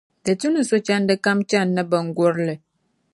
Di tu ni sochanda kam chani ni bingurili.